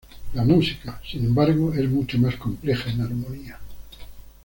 La música, sin embargo, es mucho más compleja en armonía.